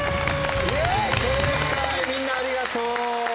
正解みんなありがとう。